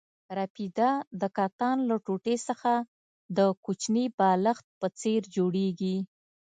رپیده د کتان له ټوټې څخه د کوچني بالښت په څېر جوړېږي.